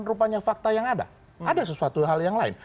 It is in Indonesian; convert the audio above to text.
rupanya fakta yang ada ada sesuatu hal yang lain